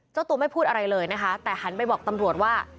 เจ้าตัวไม่พูดอะไรเลยนะคะแต่หันไปบอกตำรวจว่า